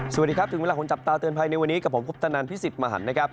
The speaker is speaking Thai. สวัสดีครับถึงเวลาของจับตาเตือนภัยในวันนี้กับผมคุปตนันพิสิทธิ์มหันนะครับ